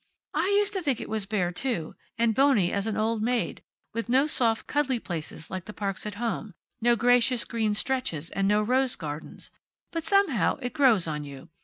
"I used to think it was bare, too, and bony as an old maid, with no soft cuddly places like the parks at home; no gracious green stretches, and no rose gardens. But somehow, it grows on you.